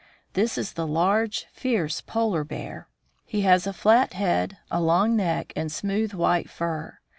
This is the large, fierce polar bear. He has a flat head, a long neck, and smooth, white fur.